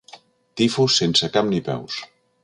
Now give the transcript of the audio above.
Tifus sense cap ni peus.